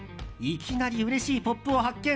いきなりうれしいポップを発見。